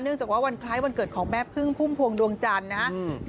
เนื่องจากว่าวันคล้ายวันเกิดของแม่พึ่งภูมิภวงดวงจันทร์นะคะ